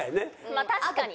まあ確かに。